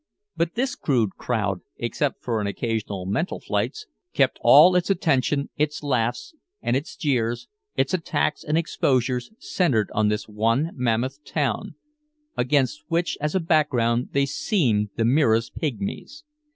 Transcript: But this crude crowd, except for occasional mental flights, kept all its attention, its laughs and its jeers, its attacks and exposures centered on this one mammoth town, against which as a background they seemed the merest pigmies.